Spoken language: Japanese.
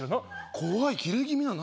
怖いキレ気味だ何？